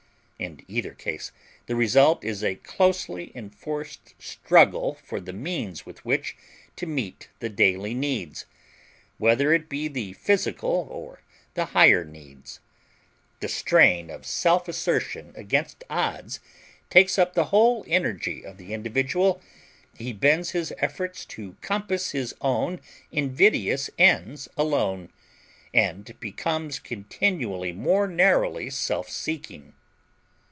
In either case the result is a closely enforced struggle for the means with which to meet the daily needs; whether it be the physical or the higher needs. The strain of self assertion against odds takes up the whole energy of the individual; he bends his efforts to compass his own invidious ends alone, and becomes continually more narrowly self seeking.